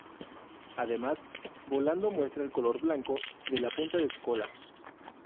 Además, volando muestra el color blanco de la punta de su cola.